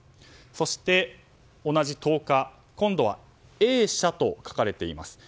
そして、同じ１０日今度はＡ社と書かれています